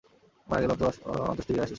মারা গেলে অন্তত অন্ত্যেষ্টিক্রিয়ায় আসিস।